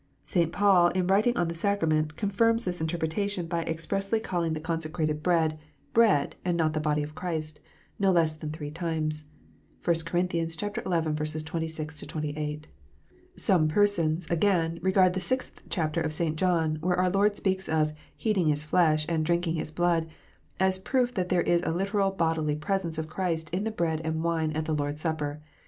St. Paul, in writing on the sacrament, confirms this interpretation by expressly calling the 206 KNOTS UNTIED. consecrated bread, " bread," and not the body of Christ, no less than three times. (1 Cor. xi. 26 28.) Some persons, again, regard the sixth chapter of St. John, where our Lord speaks of " eating His flesh and drinking His blood," as a proof that there is a literal bodily presence of Christ in the bread and wine at the Lord s Supper.